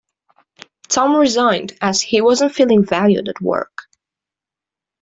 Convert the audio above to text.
Tom resigned, as he wasn't feeling valued at work.